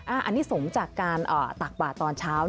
อันนี้สมจากการตักบาดตอนเช้า